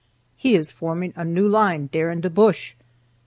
He is forming a new line dere in de bush."